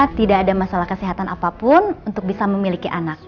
tidak ada masalah kesehatan apapun untuk bisa memiliki anak